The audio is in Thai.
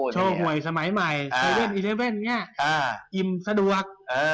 โชคหวยสมัยใหม่๗๑๑เงี้ยอิ่มสะดวก